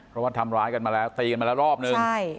เพราะว่าทำร้ายกันมาแล้วตีกันมาแล้วรอบนึง